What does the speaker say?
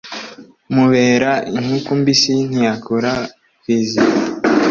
Mubera inkuku mbisi ntiyankura ku izima.